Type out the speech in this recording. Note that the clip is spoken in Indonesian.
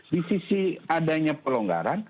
di sisi adanya pelonggaran